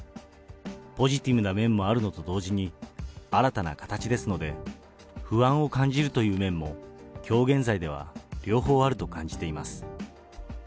ポジティブな面もあるのと同時に、新たな形ですので、不安を感じるという面も、きょう現在では両方あると感じています。